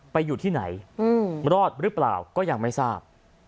ไปอยู่ที่ไหนรอดหรือเปล่าก็ยังไม่ทราบ